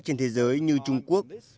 trên thế giới như trung quốc